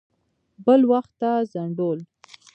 بل وخت ته ځنډول.